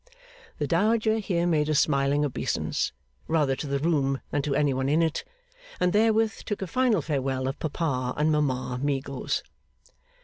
The Dowager here made a smiling obeisance, rather to the room than to any one in it, and therewith took a final farewell of Papa and Mama Meagles.